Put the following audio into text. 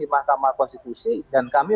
mahkamah konstitusi dan kami